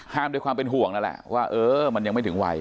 ด้วยความเป็นห่วงนั่นแหละว่าเออมันยังไม่ถึงวัย